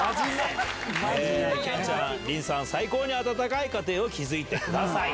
健ちゃん、凛さん、最高に温かい家庭を築いてください。